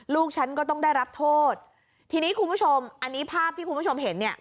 ลูกฉันก็ต้องได้รับโทษทีนี้คุณผู้ชมอันนี้ภาพที่คุณผู้ชมเห็นเนี่ย